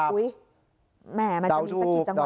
อุ้ยแม่มันจะมีสักทีจังหวัด